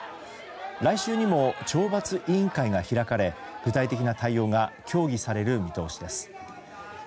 来週にも懲罰委員会が開かれ具体的な対応が協議される見通しです。